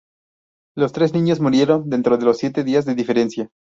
Los tres niños murieron dentro de los siete días de diferencia.